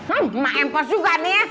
emak empas juga nih ya